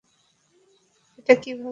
এটা কিভাবে করলেন?